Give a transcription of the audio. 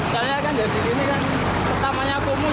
saya kan jadi gini kan pertamanya kumus